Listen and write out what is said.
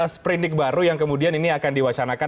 sprindik baru yang kemudian ini akan diwacanakan